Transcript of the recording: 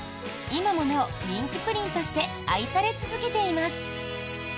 今もなお、人気プリンとして愛され続けています。